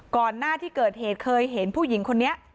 ก่อนหน้าที่เกิดเหตุเคยเห็นผู้หญิงคนนี้